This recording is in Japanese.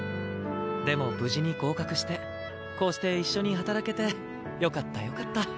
でも無事に合格してこうして一緒に働けてよかったよかった。